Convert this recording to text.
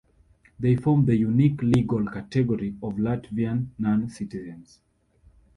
They form the unique legal category of "Latvian non-citizens".